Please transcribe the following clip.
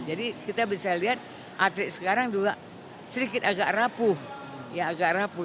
jadi kita bisa lihat atlet sekarang juga sedikit agak rapuh ya agak rapuh